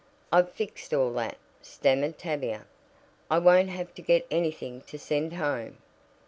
"I've fixed all that," stammered Tavia. "I won't have to get anything to send home."